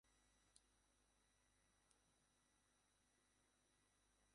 তিনি বনে গিয়া ধ্যান করিয়াছিলেন, তাহাও নিজের মুক্তির জন্য নয়।